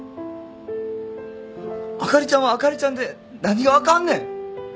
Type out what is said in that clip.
あかりちゃんはあかりちゃんで何があかんねん。